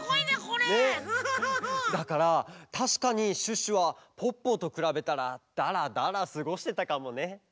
だからたしかにシュッシュはポッポとくらべたらダラダラすごしてたかもね。